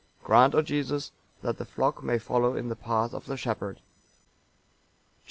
Grant, O Jesus, that the flock may follow in the path of the shepherd." Chap.